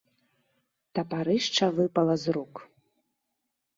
Тапарышча выпала з рук.